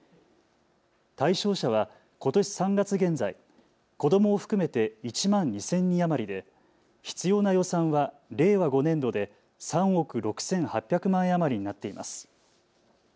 対象者はことし３月現在、子どもを含めて１万２０００人余りで必要な予算は令和５年度で３億６８００万円余りになっています。